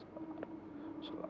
tidak ada p dealer